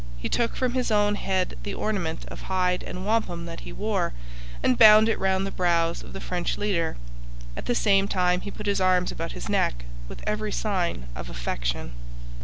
He took from his own head the ornament of hide and wampum that he wore and bound it round the brows of the French leader. At the same time he put his arms about his neck with every sign of affection.